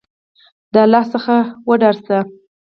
د الله څخه وډار شه !